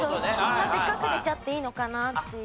こんなでっかく出ちゃっていいのかなっていう。